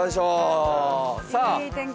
いい天気。